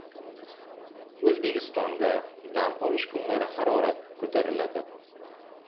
O‘zbekistonda dam olish kunlari harorat ko‘tariladi